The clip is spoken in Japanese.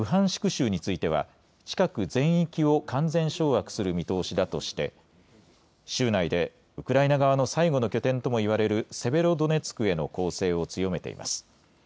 州については近く全域を完全掌握する見通しだとして州内でウクライナ側の最後の拠点ともいわれるセベロドネツクへの攻勢を強めています。